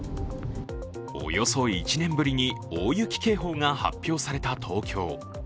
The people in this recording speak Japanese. およそ１年ぶりに大雪警報が発表された東京。